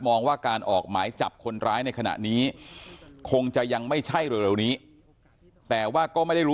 มองว่าการออกหมายจับคนร้ายในขณะนี้คงจะยังไม่ใช่เร็วนี้แต่ว่าก็ไม่ได้รู้